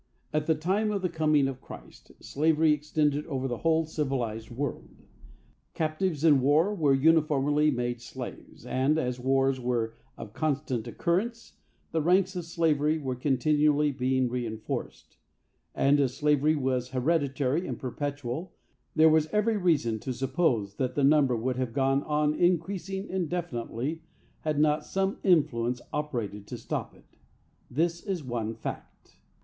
At the time of the coming of Christ, slavery extended over the whole civilized world. Captives in war were uniformly made slaves, and, as wars were of constant occurrence, the ranks of slavery were continually being reinforced; and, as slavery was hereditary and perpetual, there was every reason to suppose that the number would have gone on increasing indefinitely, had not some influence operated to stop it. This is one fact.